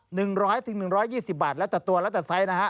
หนึ่งร้อยถึงหนึ่งร้อยยี่สิบบาทแล้วแต่ตัวแล้วแต่ไซส์นะฮะ